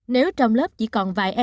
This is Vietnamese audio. nếu trong lớp chỉ còn vài em